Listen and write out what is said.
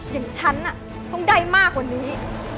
อย่างฉันต้องได้มากกว่านี้